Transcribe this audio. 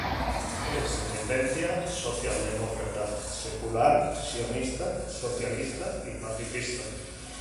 Es de tendencia socialdemócrata, secular, sionista-socialista y pacifista.